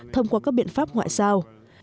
thông qua các biện pháp ngoại giao